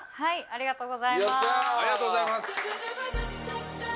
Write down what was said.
ありがとうございます。